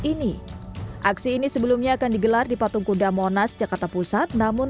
ini aksi ini sebelumnya akan digelar di patung kuda monas jakarta pusat namun